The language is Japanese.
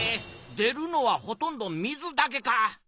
出るのはほとんど水だけか。